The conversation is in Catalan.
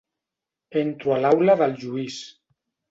Entro a l'aula del Lluís.